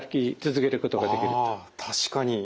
あ確かに。